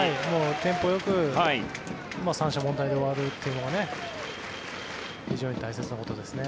テンポよく三者凡退で終わるのが非常に大切なことですね。